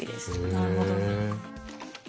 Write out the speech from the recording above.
なるほど。